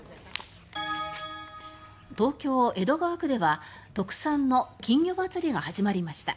東京・江戸川区では特産の金魚まつりが始まりました。